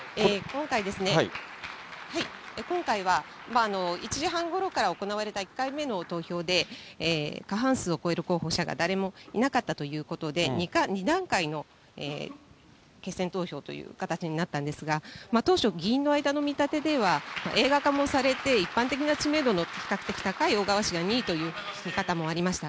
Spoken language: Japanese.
今回は、１時間半ごろから行われた１回目の投票で、過半数を超える候補者が誰もいなかったということで、２段階の決選投票という形になったんですが、当初、議員の間の見立てでは、映画化もされて、一般的な知名度の比較的高い小川氏が２位という見方もありました。